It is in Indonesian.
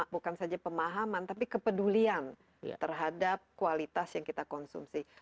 bukan saja pemahaman tapi kepedulian terhadap kualitas yang kita konsumsi